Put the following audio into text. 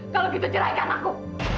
kalo gitu ceraikan aku